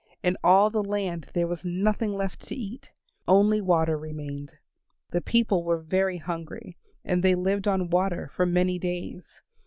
In all the land there was nothing left to eat. Only water remained. The people were very hungry and they lived on water for many days.